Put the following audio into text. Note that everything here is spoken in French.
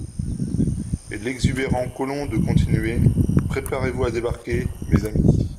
Et l’exubérant colon de continuer: « Préparez-vous à débarquer, mes amis!...